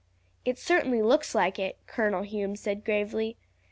"It certainly looks like it," Colonel Hume said gravely.